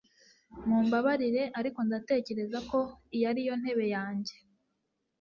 Mumbabarire ariko ndatekereza ko iyi ari yo ntebe yanjye